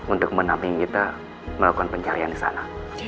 untuk menampingi kita melakukan pencarian di sana